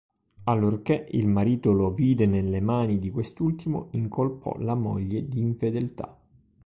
Allorché il marito lo vide nelle mani di quest'ultimo, incolpò la moglie di infedeltà.